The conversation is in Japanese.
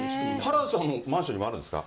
原田さんのマンションにもあるんですか？